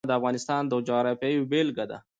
سیلاني ځایونه د افغانستان د جغرافیې یوه بېلګه ده.